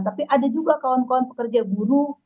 tapi ada juga kawan kawan pekerja buruh